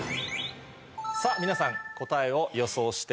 さぁ皆さん答えを予想してください。